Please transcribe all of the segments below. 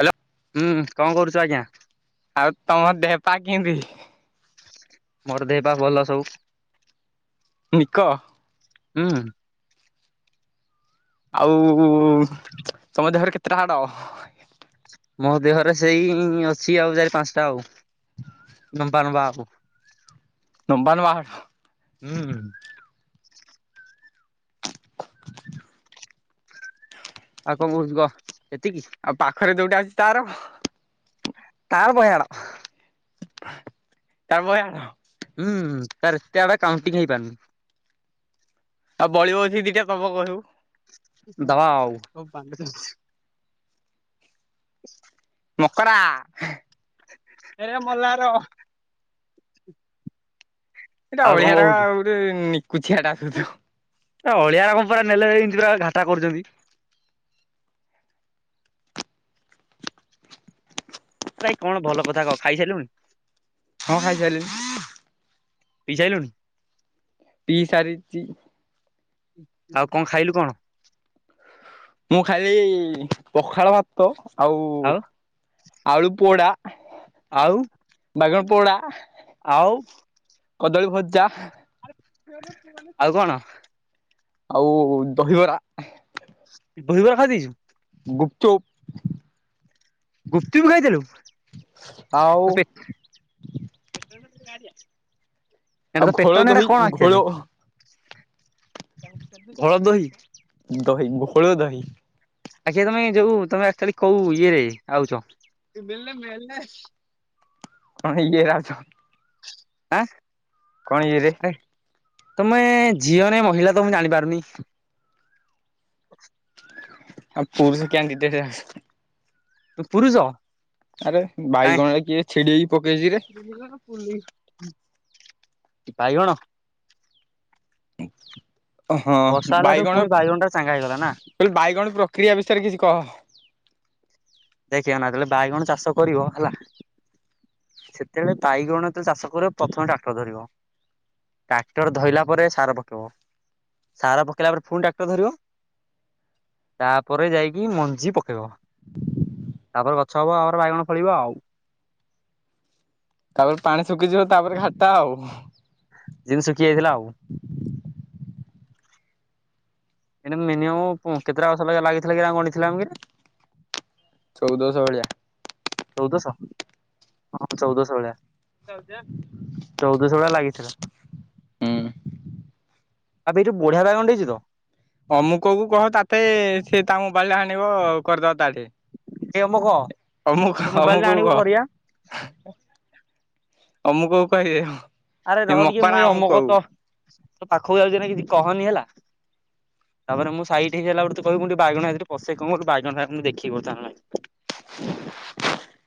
Hello ହୁଁ ହୁଁ କଣ କରୁଛ ଆଜ୍ଞା? ଆଉ ତମ ଦେହପା କେମିତି? ମୋର ଦେହପାହା ଭଲ ସବୁ। ନିିକ। ହୁଁ ହୁଁ। ଆଉ ତମ ଦେହରେ କେତେଟା ହାଡ? ମୋ ଦେହରେ ସେଇ ଅଛି ଆଉ ଚାରି ପାଞ୍ଚଟା ଆଉ, ନମ୍ବା ନମ୍ବା ଆଉ। ନମ୍ବା ନମ୍ବା ହାଡ। ହୁଁ। [unintelligible] ଆଉ କଣ କହୁଛି କହ ଏତିକି? ଆଉ ପାଖରେ ଯୋଉଟା ଅଛି ତାର ତାର ପାଇଆନ ତା ପାଇଁ ଆଣ। ହୁଁ ତା ଆବେ କାଉଁଟିି ଖାଇ ପାରୁନି [inaudible] ଆଉ ବଳିଯଦି ଦିଟା ଦବ ଘରକୁ। ଦବା ଆଉ ମକରା ଏ ମଲାର। ଏଇଟା ଆଉ କଣ ଅଳିଆ ଟା କହୁଛୁ ଆଉ ଗୋଟେ ନିକୁଛିିଆ ଟା ସୁଦୁ। ଏ ଅଳିଆ ଗୁ୍ରା ପୁରା ନେଲେ ଏମିତି ପୁରା ଘାଟା କରୁଛନ୍ତି। ଭାଇ କଣ ଭଲ କଥା କହ ଖାଇସାରିଲୁଣିି? ହଁ ଖାଇସାରିଲିଣି। ପି ସାରିଲୁଣୁ। ପି ସାରିଛି। ଆଉ କଣ ଖାଇଲୁ କଣ? ମୁଁ ଖାଲି ପଖାଳ ଭାତ ଆଉ ଆଳୁପୋଡ଼ା। ଆଉ ବାଇଗଣ ପୋଡା। ଆଉ। କଦଳୀ ଭଜା। ଆଉ କଣ? ଆଉ ଦହିବରା। ଦହିବରା ଖାଇ ଦେଇଛୁ। ଗୁପଚୁପ। ଗୁପଚୁପ ଖାଇଥିଲୁ ଆଉ ପେ ଏଟା ଆଉ ତୋ ଘୋଳ ପେଟ ଏଟା ଦହି କଣ ଘୋଳ ଆକଚୁଆଲି? [inaudible] ଘୋଳ ଦହି ଦହି ଘୋଳ ଦହି ଆଜ୍ଞା ତମେ ଯୋଉ ତମେ ଅଚୁଲି କୋଉ ଇଏରେ ଆଉଛ। [inaudible] ହଁ ଇଏ ରାଛ ଆଁ କଣ ଇଏ ରେ? ଆରେ ତମେ ଝିଅ ନା ମହିଳା ତ ମୁଁ ଜାଣି ପାରୁନି। [unintelligible] ତୁ ପୁୁରୁଷ? ଆରେ ବାଇଗଣ ରେ କିଏ ଛିଡିକି ପକେଇଛି ରେ [inaudible] ବାଇଗଣ ହଁ ବର୍ଷା ହେଲାଠୁ ବାଇଗଣ ପୁଣି ମୁଁ ଟା ଚାଙ୍ଗା ହେଇଗଲା ନା କହିଲି ବାଇଗଣ ପ୍ରକ୍ରିୟା ବିଷୟରେ କିଛି କହ। ଦେଖି ଅନା ଯେତେବଳେ ବାଇଗଣ ଚାଷ କରିବ ହେଲା। ସେତେବେଳେ ବାଇଗଣ ଯେତେବେଳେ ଚାଷ କରିବ ପ୍ରଥମେ ଟ୍ରାକ୍ଟର ଧରିବ। ଟ୍ରାକ୍ଟର ଧଇଲା ପରେ ସାର ପକାଇବ। ସାର ପକେଇଲା ପରେ ଫୁଣି ଟ୍ରାକ୍ଟର ଧରିବ। ତାପରେ ଯାଇକି ମଞ୍ଜି ପକେଇବ। [unintelligible] ତାପରେ ଗଛ ହବ ଆମର ବାଇଗଣ ଫଳିବ ଆଉ ତାପରେ ପାଣି ଶୁଖିଯିବ ତାପରେ ଘାଟା ଆଉ। ଯେମିତି ଶୁଖିଯାଇଥିଲା ଆଉ ଏ ମିନିମ କେତେଟା ବର୍ଷ ଲଗା ଲାଗିଥିଲା କି ଗଣିଥିଲା ଆମ କିରେ ଚଉଦଶହ ଭଳିଆ। ଚଉଦଶ ହଁ ଚଉଦଶ ଭଳିଆ ଯାଉଚି ଏ ଚଉଦଶହ ଭଳିଆ ଲାଗିଥିଲା। ହୁଁ। ଆବେ ଏଠୀ ବଢିଆ ବାଇଗଣ୍ ଦେଇଛି ତ। ଅମୁକ କ କହ ତାତେ ସେ ତା ମୋବାଇଲରେ ଆଣିବ କରିଦବା ତାଠି ଏ ଅମକ ଅମୁକ ତୋ ମୋବାଇଲ ଟା ଅମୁକକୁ ଆଣିବୁ କହ। କରିବା ଅମୁକକୁ କହିବି ମୁଁ। ଆରେ ରହ ଟିକେ ମୁଁ ଏଇ ଅମୁକ ତୋ ପାଖକୁ ଯାଉଛି ନା କିଛି କହନି ହେଲା। ତାପରେ ମୁଁ ସାଇଟି ହେଇଗଲା ବେ ତୂ କହିବୁ ତୁ ଟିକେ ପଶେ ବାଇଗଣ ଫାଇଗଣ ଟା ଦେଖିବୁତ ଆମେ [unintelligible]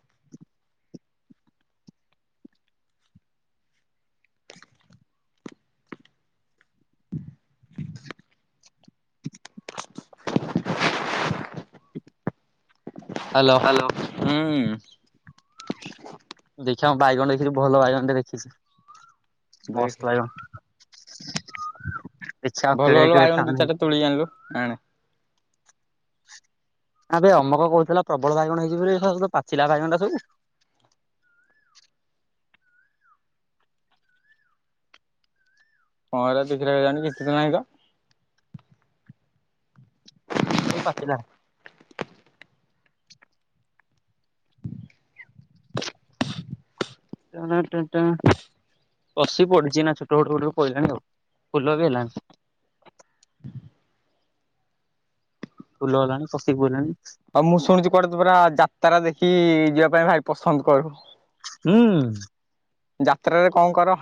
[unintelligible] ହ୍ୟାଲୋ ହ୍ୟାଲୋ ହୁଁ ଦେଖିବାଁ ବାଇଗଣ ଦେଖିଛି ଭଲ ବାଇଗଣ ଟେ ଦେଖିଛି। ଦେଖେ ମସ୍ତ ବାଇଗଣ ଇଛା ଆଉ କିଳେ କି ଟା ନାହି ତୁଲି ଆନିଲୁ ଆନେ ଆବେ ଅମକ କହୁଥିଲା ପ୍ରବଳ ବାଇଗଣ ହେଇଛି ବୋଲି ପାଚିଲା ବାଇଗଣ ଟା ସବୁ [inaudible] ସବୁ ପାଚିଲା। କଶୀ ପଡିଛି ନା ଛୋଟ ଛଟ ବଟ ପିଲାଣି ଆଉ ଫୁଲ ବି ହେଲାଣି। ଫୁଲ ହେଲାଣି କଷି ପଇଲାଣି। ଆଉ ମୁଁ ଶୁଣିଛି କୁଆଡେ ପୁରା ଯାତ୍ରା ଦେଖି ଯିବା ପାଇଁ ଭାରି ପସନ୍ଦ କରୁ। ହୁଁ ଯାତ୍ରାରେ କଣ କର?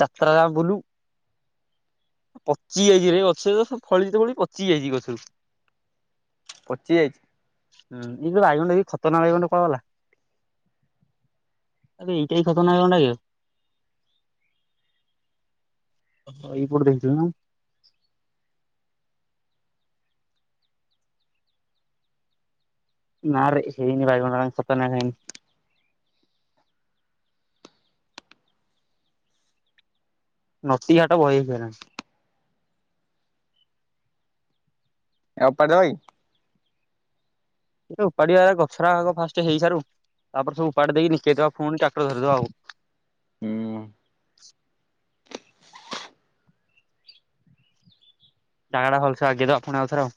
ଯାତ୍ରା ଯା ବୁଲୁ। ପଚି ଯଇଛି ରେ ଅଛେ ତ ଫଳି ତ ଫଳି ପଚି ଯଇଛି ଗଛରୁ। ପଚି ଯାଇଚି ଏ ଯୁ ବାଇଗଣ ଟା ଖତନାକ ବାଇଗଣ୍ କୁଆଗଲା? ଏବେ ଏଇଟା ବି ଖତରନାକଟାବେ? ଅହ ଏଇପଟେ ଦେଖୀଥିଲୁ ନା? ନାଁ ରେ ହେଇନି ବାଇଗଣ ଗୁଡା [inaudible] ହେଇନି। ନତିଘାଟା ବଲେଇଥାନା ଅପାର ଭାଇ। ଏ ଉପାଡିଆ ଗଛର ଆଗ ଫାଷ୍ଟ ହେଇସାରୁ ତାପରେ ସବୁ ଉପାଡି ଦେଇକିି ବିକେଇଦବା ପୁଣି ଟ୍ରାକ୍ଟର ଧରିଦବା ଆଉ ହୁଁ। ଦାଆଟା ଭଲସେ ଆଗେଇବା ଆଣ ଆଉଥରେ ଆଉ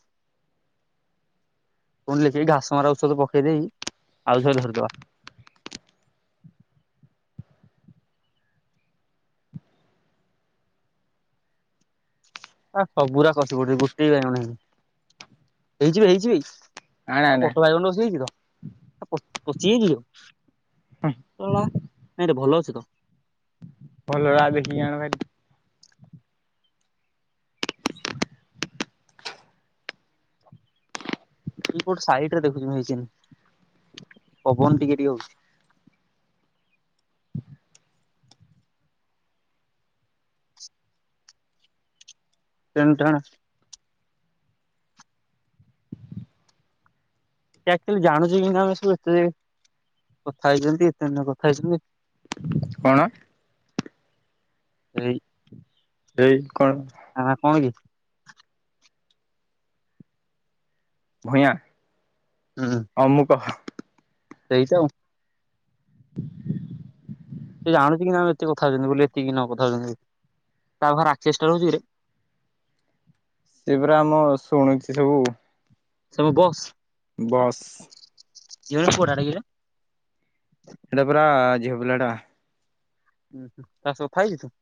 ପୁଣି ଲେଖିକି ଘାସ ମରା ଔଷଧ ପକେଇ ଦେଇ ଆଉ ଥରେ ଧରିଦବା। ଆ ସବୁରା ଖସି ପଡୁଛି ଗୋଟିଏ ନାଇ ହେଇଯିବେ ହେଇଯିବେ। ଆଣେ ଆଉ ଆଣେ ପଟ ବାଇଗଣ ବସି ହେଇଛି ତ ପଚିଯାଇଚିଲୋ ଶଳା ନାଇଁରେ ଭଲ ଅଛି ତ। କଲରା ଦେଖିକି ଆଣେ ଭାରି। କିଏ କୋଉ ସାଇଟରେ ଦେଖୁଛୁ ହେଇଚିକି ନାଇଁ ପବନ ଟିକେ ଟିକେ ହଉଛି। ଟେଣଟଣା। ସିଏ ଆକ୍ଟୁଲି ଜାଣୁଛି କେନ୍ତି ଆମେ ସବୁ ଏତେ କଥା ହେଇଛନ୍ତି ଏତେ ନେ କଥା ହେଇଛନ୍ତି। କଣ? ଏଇ ଏଇ କଣ? ଆ କଣ କି? ଭୟାଁ ଅମୁକ। ଏଇତ ଆଉ ସେ ଜାଣୁଛି କି ନା ଆମେ ଏତେ କଥା ହଉଛନ୍ତି ବୋଲି ଏତିକି ନ କଥା ହଉଛନ୍ତି ବୋଲି ତାରେ ଆ ଚେଷ୍ଟା ରହୁଛି କିରେ? ସେ ପା ଆମ ଶୁଣୁଛି ସବୁ। ସେ ମୋ ବସ୍। ବସ୍। ଝିଅ ନା ପୁଅଟା କିରେ? ସେଇଟା ପରା ଝିଅପିଲାଟା। ହୁଁ ହୁ ତା ସହ କଥା ହେଇଛୁ ତୁ?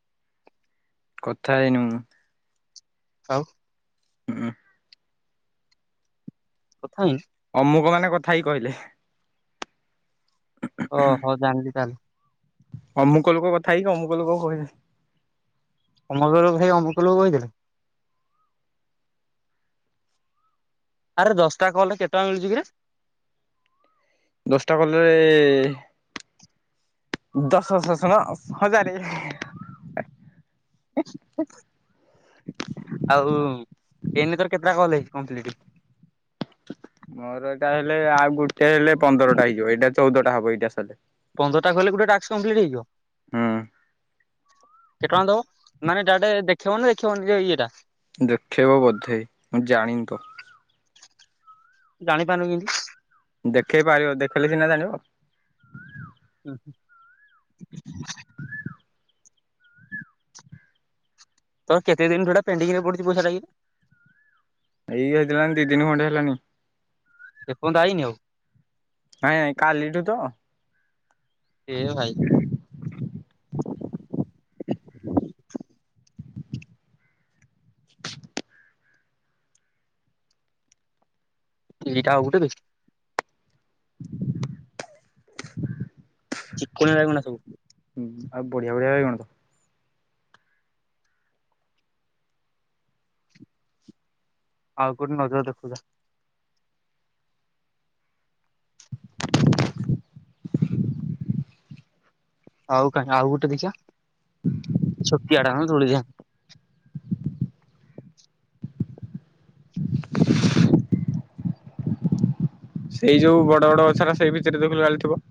କଥା ହେଇନି ମୁଁ। ଆଉ ହୁଁଁ। କଥା ହେଇନି। ଅମୁକ ମାନେ କଥା ହେଇ କହିଲେ? ଓହୋ ଜାଣିଲି ତାହାଲେ? ଅମୁକ ଲୋକ କଥା ହେଇକି ଅମୁକ ଲୋକ କହିଲେ? ତମ ଘର ଭାଇ ଅମୁକଲୋକ କହିଥିଲେ? ଆରେ ଦଶଟା କଲରେ କେତେ ଟଙ୍କା ମିଳୁଛି କିରେ? ଦଶଟା କଲରେ ଦଶ ଶଶନ। ହଜାରେ। ଆଉ ଏଇନା ତୋର କେତେଟା କଲ ହେଇଛି କମ୍ପ୍ଲିଟ୍। ମୋର ଏଇଟା ହେଲେ ଆଉ ଗୋଟେ ହେଲେ ପନ୍ଦରଟା ହେଇଯିବ ଏଇଟା ଚଉଦଟା ହବ ଏଇଟା ସଇଲେ। ପନ୍ଦରଟା କଲେ ଗୋଟେ ଟାସ୍କ କମ୍ପ୍ଲିଟ୍ ହୋଇଯିବ। ହୁଁ କେତେ ଟଙ୍କା ଦବ ମାନେ ତା ଟେ ଦେଖେଇବ ଦେଖେଇବନି ଏଇଟା। ଦେଖେଇବ ବୋଧେ ମୁଁ ଜାଣିନି ତ ଜାଣିପାରୁନ କେମତି? ଦେଖେଇ ପାରିବ ଦେଖେଇଲେ ସିନା ଜାଣିବ? ଉ ହୁଁ। ତୋର କେତେ ଦିନ ଧରି ପେଣ୍ଡିଙ୍ଗରେ ପଡିଚି ପଇସାଟାକି? ଏଇ ହେଇଗଲାଣି ଦି ଦିନ ଖଣ୍ଡେ ହେଲାଣି। ଏପଯ୍ୟନ୍ତ ଆଇନି ଆଉ। ନାଇଁ ନାଇଁ କାଲିଠୁ ତ ଏ ଭାଇ। [inaudible] ଏଇଟା ଆଉ ଗୋଟେ ବେ। [inaudible] ଚିକ୍ଣଣିଆ ବାଇଗଣରା ସବୁ। ହୁ ଆଉ ବଢିଆ ବଢ଼ିଆ ବାଇଗଣ ତ। ଆଉ କଉଠି ନଜର ଦେଖୁଧା। ଆଉ କାହିଁ ଆଉ ଗୋଟେ ଦେଖିବା ଛୁଟିଆ ଟା ହଁ ତୁଳି ଦିଆ [inaudible] ସେଇ ଯୋଉ ବଡ ବଡ ଗଛ ରା ସେଇ ଭିତରେ ତ [unintelligible] ଥିବ।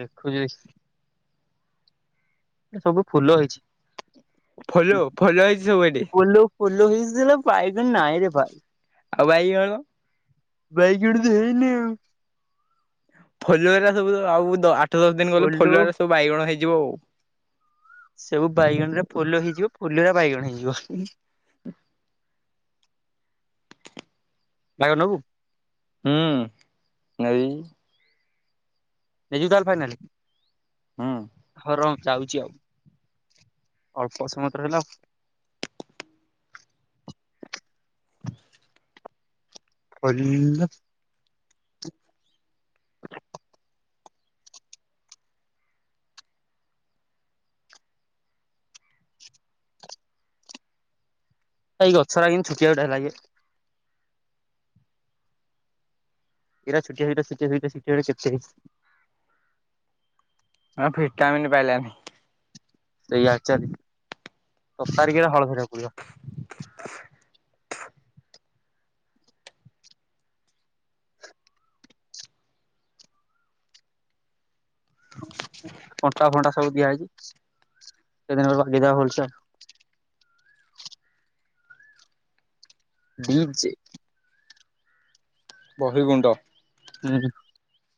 ଦେଖୁଯି ବେସ ଏ ସବୁ ଫୁଲ ହେଇଛି। ଫଲୋ ଫଲୋ ହେଇଛି ସବୁ ଏଠି ଫୁଲୋ ଫୁଲୋ ହେଇଥିଲା ବାଇଗଣ ନାହିଁରେ ଭାଇ। ଆଉ ବାଇଗଣ। ବାଇଗିଡି ତ ହେଇନି ଆଉ। ଫଲୁଆରେ ସବୁ ଆଉ ଆଠ ଦଶ ଦିନ ଗଲେ ପୋଲ ଫଲୁଆରେ ସବୁ ବାଇଗଣ ହେଇଯିବ ଆଉ। ସବୁ ବାଇଗଣ ରେ ଫୋଲ ହେଇଯିବ ଫୋଲରେ ବାଇଗଣ ହେଇଯିବ। [inaudible] ଭାଗ ନବୁ। ହୁଁ ନେବି। ନେଇଯିବି ତାହେଲେ ଫାଇନାଲ ହୁଁ ହଉ ର ଯାଉଛି ଆଉ। ଅଳ୍ପ ସମୟତ ରହିଲା ଆଉ। [unintelligible] ଏଇ ଗଛରା କିନ୍ଦି ଛୋଟିଆ ଛୋଟିଆ ହେଲା ଗି। ଏରା ଛୁଟିଆ ଛୁଟିଆ [unintelligible] କେତେ ହେଇଛି ହଁ ଭିଟାମିନ୍ ପାଇଲାନି। ସେଇଆ ଚାଲି ଅପାରୀକିନା ହଳ ଧରିବାକୁ ପଡିବ। [inaudible] [inaudible] କଣ୍ଟା ଫଣ୍ଟା ସବୁ ଦିଆହେଇଛି ସେଦିନ [unintelligible] ଭଲସେ ଆଉ। ଡି ଛି। ବହେ ଗୁଣ୍ଡ। ହୁଁ ହୁଁ।